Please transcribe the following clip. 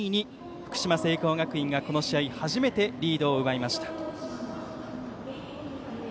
福島・聖光学院がこの試合、初めてリードを奪いました。